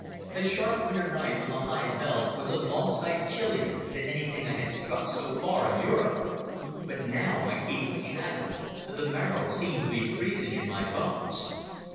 A sharp winter night on the high veld was a long sight chillier than anything I had struck so far in Europe. But now my teeth were chattering and the marrow seemed to be freezing in my bones.